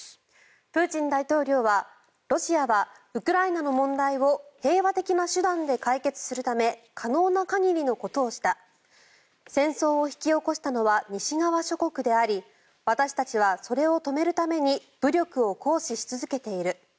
プーチン大統領はロシアはウクライナの問題を平和的な手段で解決するため可能な限りのことをした戦争を引き起こしたのは西側諸国であり私たちはそれを止めるために武力を行使し続けている。